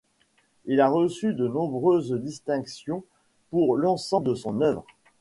Il a reçu de nombreuses distinctions pour l’ensemble de son œuvre.